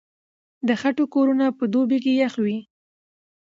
د خټو کورونه په دوبي کې يخ وي.